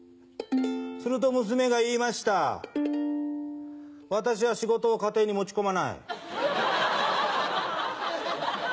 すると娘が言いました、私は仕事を家庭に持ち込まない。